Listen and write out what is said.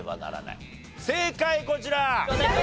正解こちら！